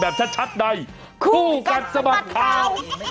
พูดไป